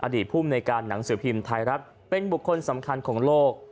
ภูมิในการหนังสือพิมพ์ไทยรัฐเป็นบุคคลสำคัญของโลก